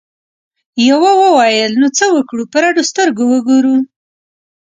یوه وویل نو څه وکړو په رډو سترګو وګورو؟